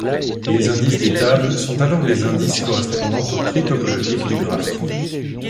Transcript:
Les indices des tables sont alors les indices correspondant au tri topologique du graphe.